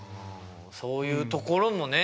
そういうところもね。